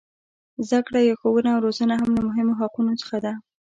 زده کړه یا ښوونه او روزنه هم له مهمو حقونو څخه ده.